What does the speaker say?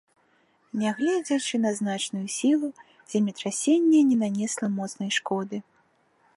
Нягледзячы на значную сілу, землетрасенне не нанесла моцнай шкоды.